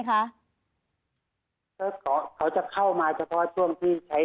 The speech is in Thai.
เขาจะเข้ามาเฉพาะศพที่ใช้เขาซีมเอกสาธารณ์